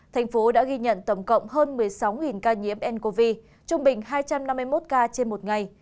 thành phố đã ghi nhận tổng cộng hơn một mươi sáu ca nhiễm ncov trung bình hai trăm năm mươi một ca trên một ngày